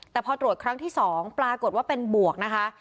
แต่พอตรวจครั้งที่๒ปรากฏว่าเป็นบวกนะคะ